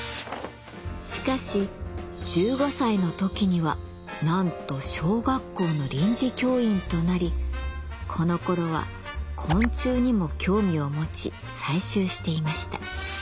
しかし１５歳の時にはなんと小学校の臨時教員となりこのころは昆虫にも興味を持ち採集していました。